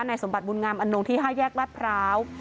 สมบัติบุญงามอนงที่๕แยกรัฐพร้าว